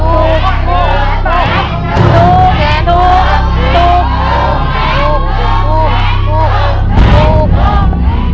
คุณฝนจากชายบรรยาย